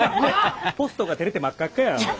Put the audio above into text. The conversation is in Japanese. ポストがてれて真っ赤っかや。